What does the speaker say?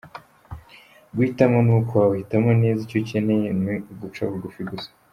Guhitamo ni ukwawe, hitamo neza, icyo ukeneye ni uguca bugufi gusa.